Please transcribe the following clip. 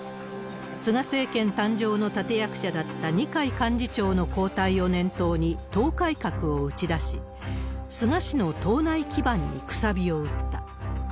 菅政権誕生の立て役者だった二階幹事長の交代を念頭に党改革を打ち出し、菅氏の党内基盤にくさびを打った。